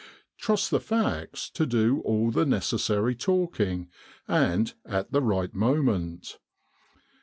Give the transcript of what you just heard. Trust the facts to do all the necessary talking, and at the right moment.